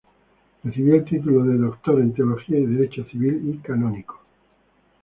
Recibió el Título de doctor en teología y derecho civil y canónico.